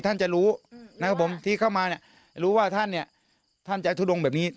อันนี้คือฆ่ากัน